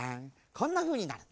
こんなふうになる。